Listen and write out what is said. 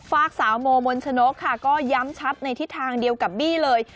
ฝากสาวโมมนชนกค่ะก็ย้ำชัดในทิศทางเดียวกับบี้เลย